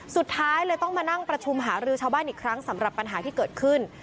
สุดท้ายเลยต้องมานั่งประชุมหารือชาวบ้านอีกครั้งสำหรับปัญหาที่เกิดขึ้น